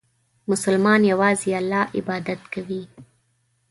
مسلمان یوازې الله عبادت کوي.